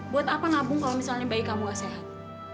buat apa nabung kalau misalnya bayi kamu gak sehat